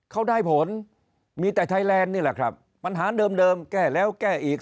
เขาได้ผลมีแต่ไทยแลนด์นี่แหละครับปัญหาเดิมแก้แล้วแก้อีก